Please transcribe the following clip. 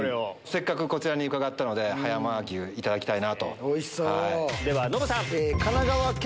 せっかくこちらに伺ったので葉山牛いただきたいなぁと。